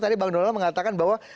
tadi bang donald mengatakan bahwa